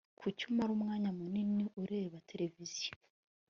kuki umara umwanya munini ureba televiziyo